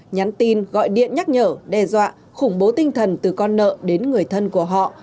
nhắn tin gọi điện nhắc nhở đe dọa khủng bố tinh thần từ con nợ đến người thân của họ